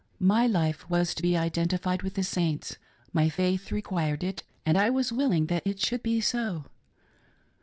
My life was to be identified with the Saints, — my faith required it, and I was willing that it should be so.